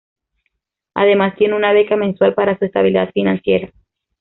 Además, tiene una beca mensual para su estabilidad financiera.